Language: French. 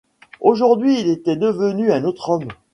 Aujourd’hui, il était devenu un autre homme.